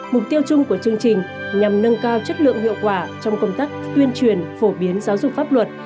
mục tiêu chung của chương trình nhằm nâng cao chất lượng hiệu quả trong công tác tuyên truyền phổ biến giáo dục pháp luật